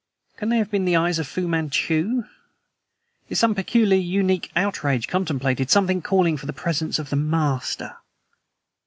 Can they have been the eyes of Fu Manchu? Is some peculiarly unique outrage contemplated something calling for the presence of the master?"